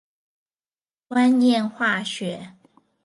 觀念化學